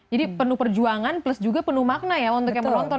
penuh perjuangan plus juga penuh makna ya untuk yang menonton